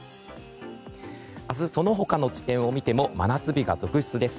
明日、その他の地点を見ても真夏日が続出です。